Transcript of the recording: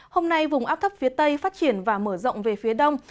hôm nay vùng áp thấp phía tây phát triển và mở rộng về phía đông